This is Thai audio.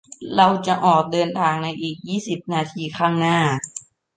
เราจะออกเดินทางในอีกยี่สิบนาทีข้างหน้า